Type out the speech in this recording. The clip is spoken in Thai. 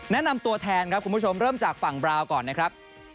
แนะนำตัวแทนครับคุณผู้ชมเริ่มจากฝั่งบราวก่อนนะครับ